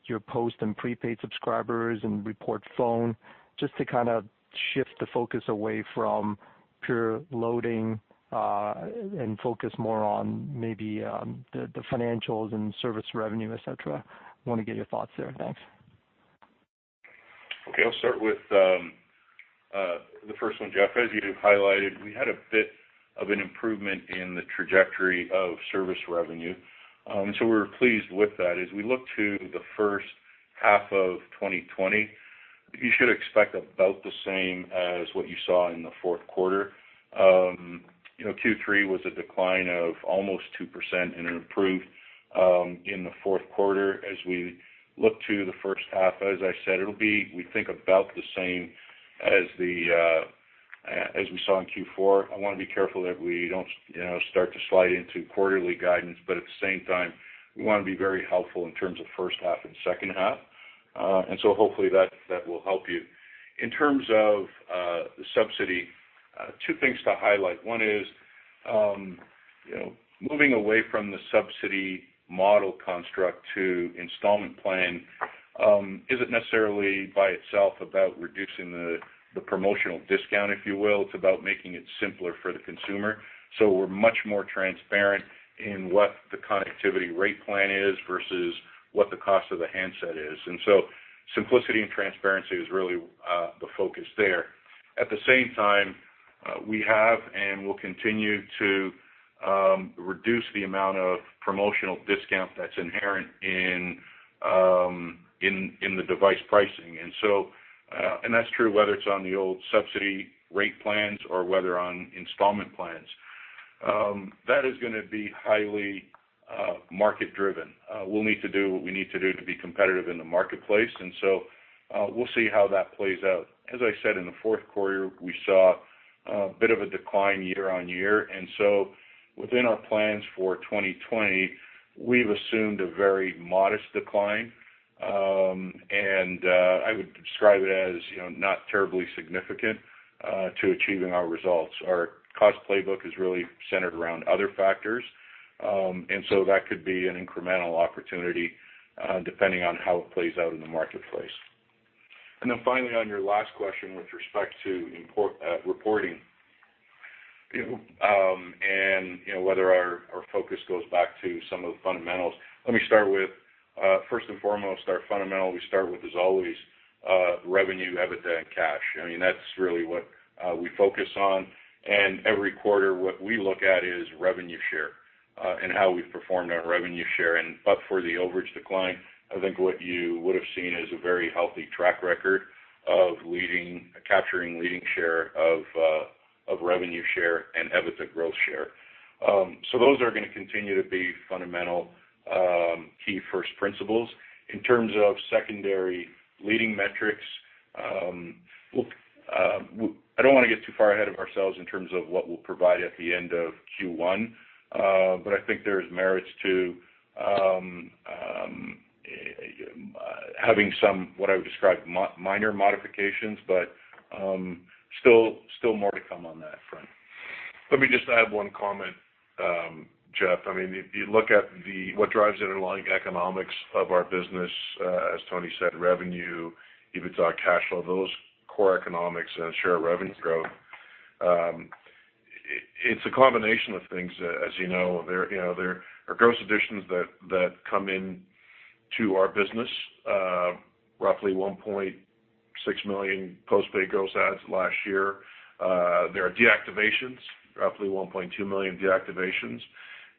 your postpaid and prepaid subscribers and report phone just to kind of shift the focus away from pure loading and focus more on maybe the financials and service revenue, etc.? Want to get your thoughts there. Thanks. Okay. I'll start with the first one, Jeff. As you highlighted, we had a bit of an improvement in the trajectory of service revenue. And so we're pleased with that. As we look to the first half of 2020, you should expect about the same as what you saw in the fourth quarter. Q3 was a decline of almost 2% and improved in the fourth quarter. As we look to the first half, as I said, it'll be, we think, about the same as we saw in Q4. I want to be careful that we don't start to slide into quarterly guidance, but at the same time, we want to be very helpful in terms of first half and second half, and so hopefully, that will help you. In terms of the subsidy, two things to highlight. One is moving away from the subsidy model construct to installment plan isn't necessarily by itself about reducing the promotional discount, if you will. It's about making it simpler for the consumer. So we're much more transparent in what the connectivity rate plan is versus what the cost of the handset is, and so simplicity and transparency is really the focus there. At the same time, we have and will continue to reduce the amount of promotional discount that's inherent in the device pricing. And that's true whether it's on the old subsidy rate plans or whether on installment plans. That is going to be highly market-driven. We'll need to do what we need to do to be competitive in the marketplace. And so we'll see how that plays out. As I said, in the fourth quarter, we saw a bit of a decline year-on-year. And so within our plans for 2020, we've assumed a very modest decline. And I would describe it as not terribly significant to achieving our results. Our cost playbook is really centered around other factors. And so that could be an incremental opportunity depending on how it plays out in the marketplace. And then finally, on your last question with respect to reporting and whether our focus goes back to some of the fundamentals, let me start with, first and foremost, our fundamental. We start with, as always, revenue, EBITDA, and cash. I mean, that's really what we focus on. And every quarter, what we look at is revenue share and how we've performed on revenue share. But for the overage decline, I think what you would have seen is a very healthy track record of capturing leading share of revenue share and EBITDA growth share. So those are going to continue to be fundamental key first principles. In terms of secondary leading metrics, I don't want to get too far ahead of ourselves in terms of what we'll provide at the end of Q1, but I think there's merits to having some, what I would describe, minor modifications, but still more to come on that front. Let me just add one comment, Jeff. I mean, you look at what drives it along economics of our business, as Tony said, revenue, EBITDA, cash flow, those core economics, and share revenue growth. It's a combination of things. As you know, there are gross additions that come into our business, roughly 1.6 million postpaid gross adds last year. There are deactivations, roughly 1.2 million deactivations.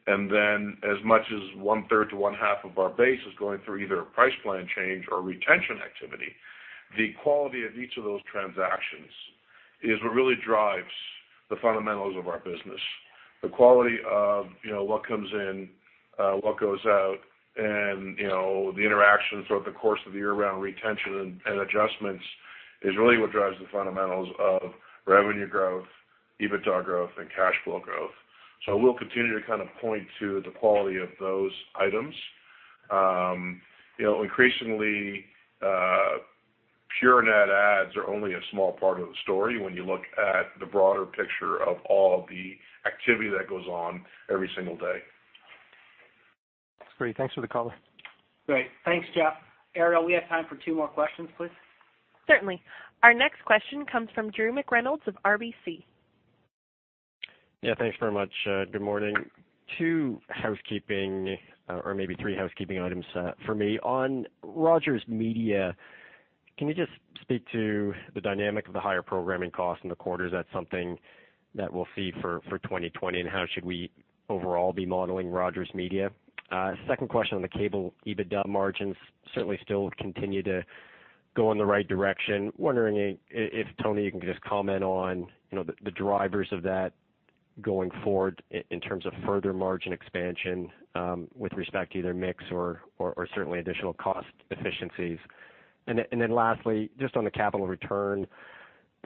And then as much as one-third to one-half of our base is going through either a price plan change or retention activity. The quality of each of those transactions is what really drives the fundamentals of our business. The quality of what comes in, what goes out, and the interactions throughout the course of the year-round retention and adjustments is really what drives the fundamentals of revenue growth, EBITDA growth, and cash flow growth. So we'll continue to kind of point to the quality of those items. Increasingly, pure net adds are only a small part of the story when you look at the broader picture of all the activity that goes on every single day. That's great. Thanks for the call. Great. Thanks, Jeff. Ariel, we have time for two more questions, please. Certainly. Our next question comes from Drew McReynolds of RBC. Yeah. Thanks very much. Good morning. Two housekeeping or maybe three housekeeping items for me. On Rogers Media, can you just speak to the dynamic of the higher programming cost in the quarters? That's something that we'll see for 2020, and how should we overall be modeling Rogers Media? Second question on the cable EBITDA margins, certainly still continue to go in the right direction. Wondering if Tony can just comment on the drivers of that going forward in terms of further margin expansion with respect to either mix or certainly additional cost efficiencies. And then lastly, just on the capital return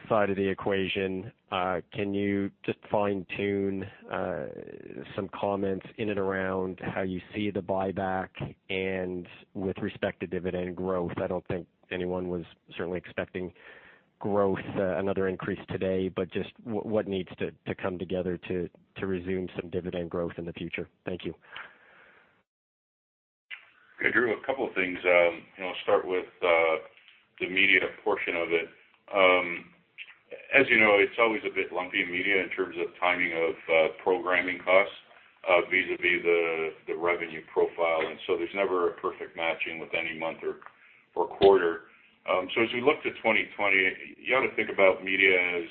side of the equation, can you just fine-tune some comments in and around how you see the buyback and with respect to dividend growth? I don't think anyone was certainly expecting growth, another increase today, but just what needs to come together to resume some dividend growth in the future? Thank you. Okay. Drew, a couple of things. I'll start with the media portion of it. As you know, it's always a bit lumpy in media in terms of timing of programming costs vis-à-vis the revenue profile. And so there's never a perfect matching with any month or quarter. So as we look to 2020, you ought to think about media as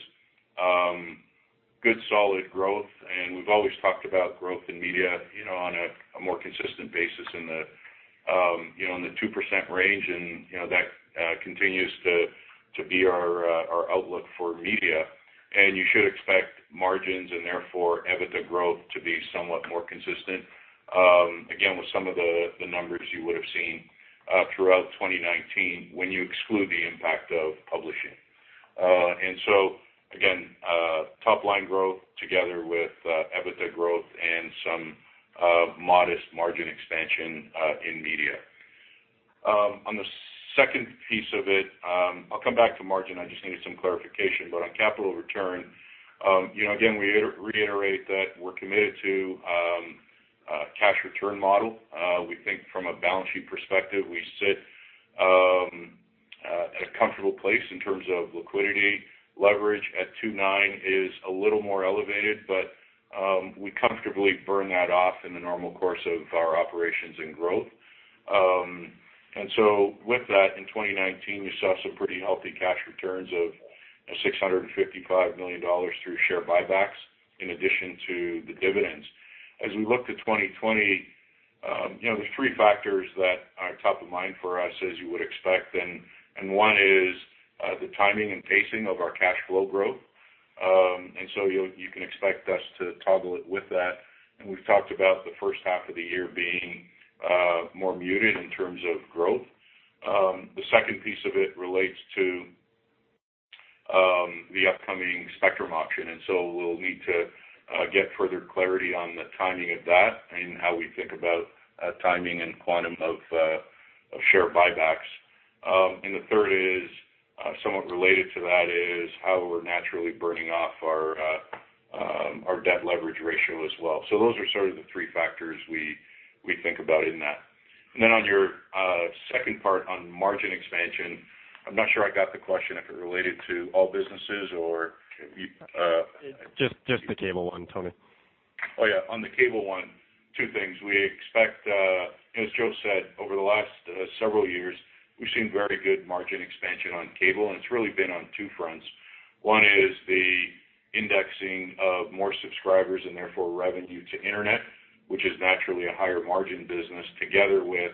good solid growth. And we've always talked about growth in media on a more consistent basis in the 2% range, and that continues to be our outlook for media. And you should expect margins and therefore EBITDA growth to be somewhat more consistent, again, with some of the numbers you would have seen throughout 2019 when you exclude the impact of publishing. And so again, top-line growth together with EBITDA growth and some modest margin expansion in media. On the second piece of it, I'll come back to margin. I just needed some clarification, but on capital return, again, we reiterate that we're committed to a cash return model. We think from a balance sheet perspective, we sit at a comfortable place in terms of liquidity. Leverage at 2.9 is a little more elevated, but we comfortably burn that off in the normal course of our operations and growth, and so with that, in 2019, we saw some pretty healthy cash returns of 655 million dollars through share buybacks in addition to the dividends. As we look to 2020, there's three factors that are top of mind for us, as you would expect, and one is the timing and pacing of our cash flow growth, and so you can expect us to toggle it with that, and we've talked about the first half of the year being more muted in terms of growth. The second piece of it relates to the upcoming spectrum auction. And so we'll need to get further clarity on the timing of that and how we think about timing and quantum of share buybacks. And the third is somewhat related to that is how we're naturally burning off our debt leverage ratio as well. So those are sort of the three factors we think about in that. And then on your second part on margin expansion, I'm not sure I got the question if it related to all businesses or. Just the cable one, Tony. Oh, yeah. On the cable one, two things. As Joe said, over the last several years, we've seen very good margin expansion on cable, and it's really been on two fronts. One is the indexing of more subscribers and therefore revenue to internet, which is naturally a higher margin business together with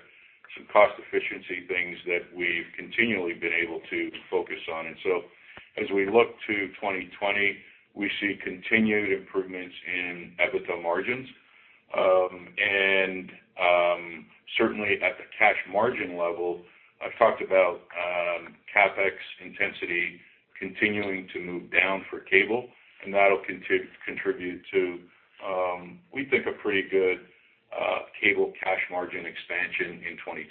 some cost efficiency things that we've continually been able to focus on. And so as we look to 2020, we see continued improvements in EBITDA margins. And certainly at the cash margin level, I've talked about CapEx intensity continuing to move down for cable, and that'll contribute to, we think, a pretty good cable cash margin expansion in 2020.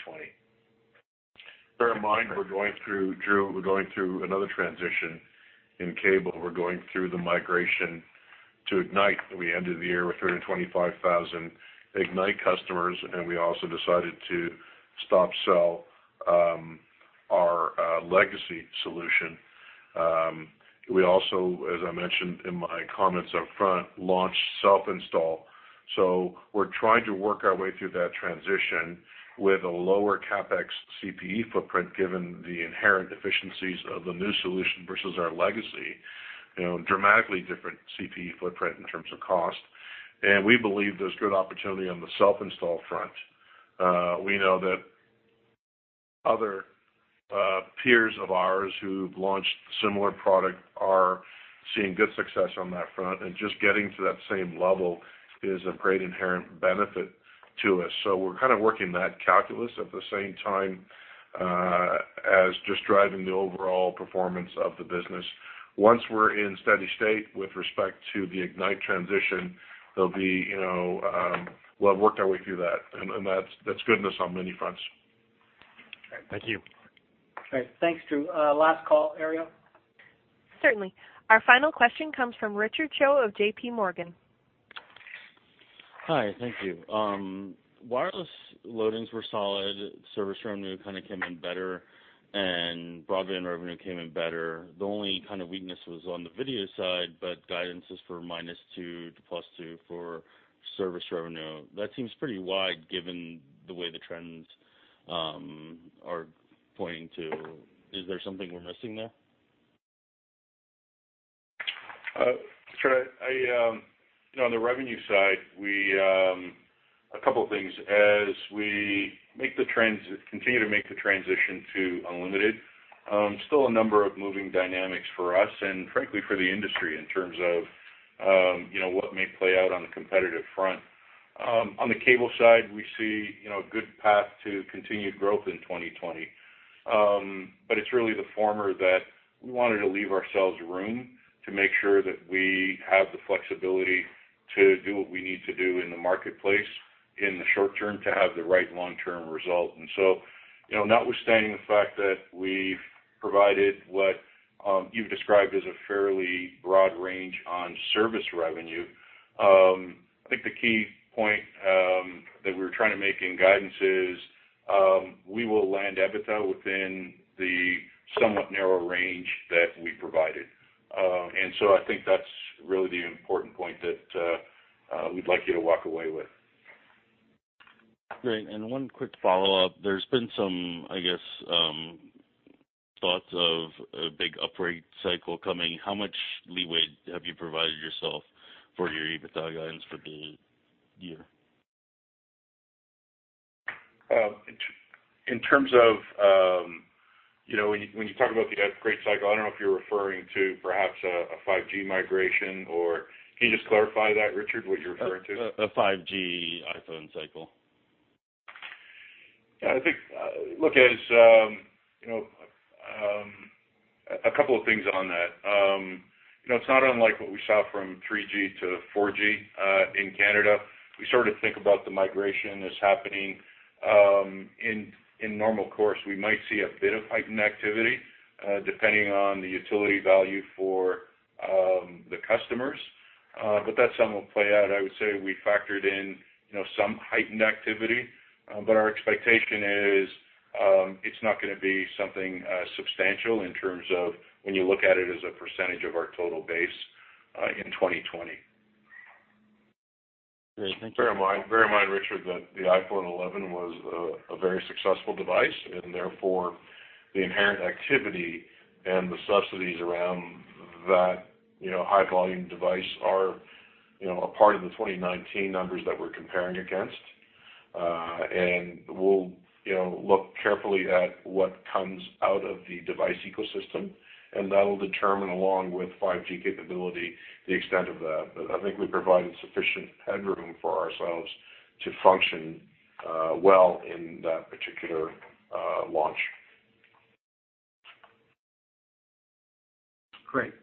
Bear in mind, we're going through, Drew, we're going through another transition in cable. We're going through the migration to Ignite. We ended the year with 325,000 Ignite customers, and we also decided to stop selling our legacy solution. We also, as I mentioned in my comments upfront, launched self-install. So we're trying to work our way through that transition with a lower CapEx CPE footprint given the inherent efficiencies of the new solution versus our legacy, dramatically different CPE footprint in terms of cost. And we believe there's good opportunity on the self-install front. We know that other peers of ours who've launched similar product are seeing good success on that front. And just getting to that same level is a great inherent benefit to us. So we're kind of working that calculus at the same time as just driving the overall performance of the business. Once we're in steady state with respect to the Ignite transition, there'll be. We'll have worked our way through that. And that's goodness on many fronts. Thank you. All right. Thanks, Drew. Last call, Ariel. Certainly. Our final question comes from Richard Choe of JPMorgan. Hi. Thank you. Wireless loadings were solid. Service revenue kind of came in better, and broadband revenue came in better. The only kind of weakness was on the video side, but guidance is for -2% to +2% for service revenue. That seems pretty wide given the way the trends are pointing to. Is there something we're missing there? Sure. On the revenue side, a couple of things. As we continue to make the transition to unlimited, still a number of moving dynamics for us and frankly for the industry in terms of what may play out on the competitive front. On the cable side, we see a good path to continued growth in 2020. But it's really the former that we wanted to leave ourselves room to make sure that we have the flexibility to do what we need to do in the marketplace in the short term to have the right long-term result. And so notwithstanding the fact that we've provided what you've described as a fairly broad range on service revenue, I think the key point that we were trying to make in guidance is we will land EBITDA within the somewhat narrow range that we provided. And so I think that's really the important point that we'd like you to walk away with. Great. And one quick follow-up. There's been some, I guess, thoughts of a big upgrade cycle coming. How much leeway have you provided yourself for your EBITDA guidance for the year? In terms of when you talk about the upgrade cycle, I don't know if you're referring to perhaps a 5G migration, or. Can you just clarify that, Richard, what you're referring to? A 5G iPhone cycle. Yeah. I think look at a couple of things on that. It's not unlike what we saw from 3G-4G in Canada. We sort of think about the migration as happening. In normal course, we might see a bit of heightened activity depending on the utility value for the customers. But that's something we'll play out. I would say we factored in some heightened activity. But our expectation is it's not going to be something substantial in terms of when you look at it as a percentage of our total base in 2020. Great. Thank you. Bear in mind, Richard, that the iPhone 11 was a very successful device, and therefore the inherent activity and the subsidies around that high-volume device are a part of the 2019 numbers that we're comparing against, and we'll look carefully at what comes out of the device ecosystem, and that will determine, along with 5G capability, the extent of that. But I think we provided sufficient headroom for ourselves to function well in that particular launch. Great.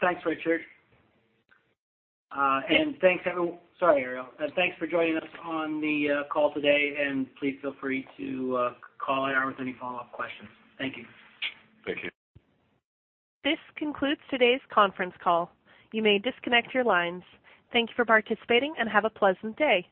Thanks, Richard. And thanks everyone. Sorry, Ariel. And thanks for joining us on the call today. And please feel free to call IR with any follow-up questions. Thank you. Thank you. This concludes today's conference call. You may disconnect your lines. Thank you for participating and have a pleasant day.